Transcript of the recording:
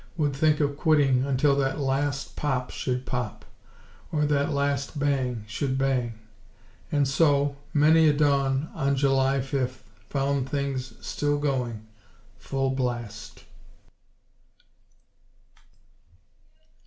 would think of quitting until that last pop should pop; or that last bang should bang. And so, many a dawn on July fifth found things still going, full blast.